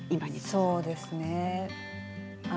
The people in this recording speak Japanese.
そうですね。